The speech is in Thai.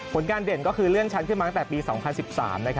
ผลการเด่นก็คือเรื่องฉันขึ้นมาตั้งแต่ปี๒๐๑๓